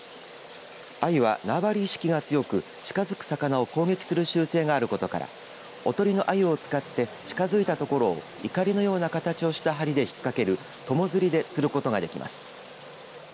アユは縄張り意識が強く近づく魚を攻撃する習性があることからおとりのアユを使って近づいた所をいかりのような形をした針で引っかける友釣りで釣ることができます。